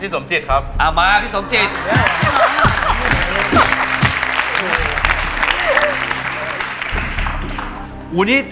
สมจิตครับมาพี่สมจิต